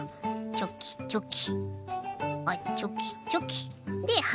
チョキチョキ。